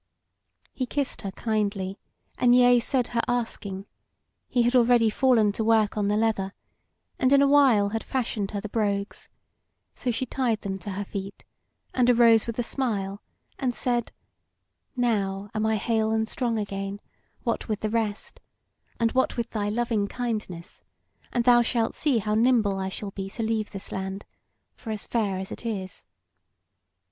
He kissed her kindly and yea said her asking: he had already fallen to work on the leather, and in a while had fashioned her the brogues; so she tied them to her feet, and arose with a smile and said: "Now am I hale and strong again, what with the rest, and what with thy loving kindness, and thou shalt see how nimble I shall be to leave this land, for as fair as it is.